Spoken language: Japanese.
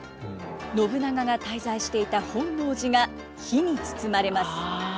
信長が滞在していた本能寺が火に包まれます。